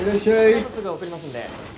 この後すぐ送りますんで。